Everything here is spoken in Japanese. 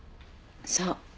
そう。